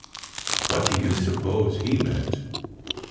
What do you suppose he meant?